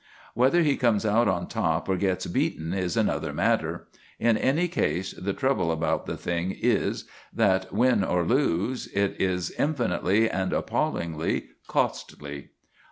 Whether he comes out on top or gets beaten is another matter; in any case, the trouble about the thing is that, win or lose, it is infinitely and appallingly costly.